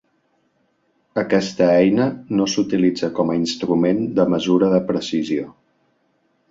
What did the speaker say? Aquesta eina no s'utilitza com a instrument de mesura de precisió.